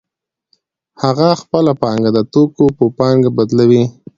هغه خپله پانګه د توکو په پانګه بدلوي